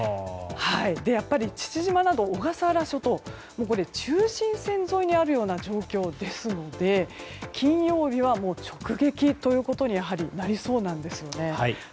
やっぱり、父島など小笠原諸島は中心線沿いにあるような状況ですので金曜には直撃ということになりそうなんですよね。